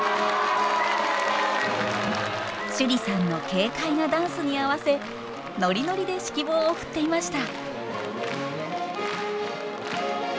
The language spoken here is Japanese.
趣里さんの軽快なダンスに合わせノリノリで指揮棒を振っていました。